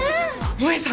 萌さん！